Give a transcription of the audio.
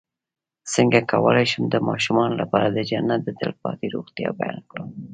څنګه کولی شم د ماشومانو لپاره د جنت د تل پاتې روغتیا بیان کړم